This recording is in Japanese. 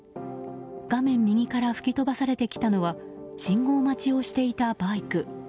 画面右から吹き飛ばされてきたのは信号待ちをしていたバイク。